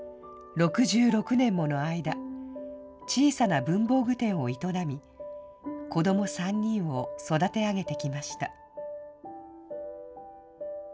６６年もの間、小さな文房具店を営み、子ども３人を育て上げてきました。